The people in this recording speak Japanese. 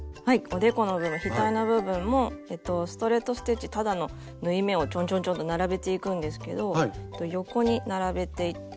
おでこの部分ひたいの部分もストレート・ステッチただの縫い目をちょんちょんちょんと並べていくんですけど横に並べていきます。